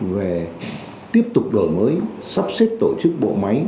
về tiếp tục đổi mới sắp xếp tổ chức bộ máy